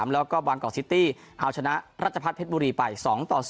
แล้วก็บางกอกซิตี้เอาชนะรัชพัฒนเพชรบุรีไป๒ต่อ๐